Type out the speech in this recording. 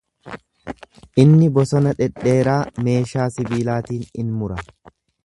Inni bosona dhedheeraa meeshaa sibiilaatiin in mura.